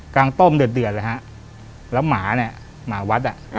งต้มเดือดเลยฮะแล้วหมาเนี่ยหมาวัดอ่ะ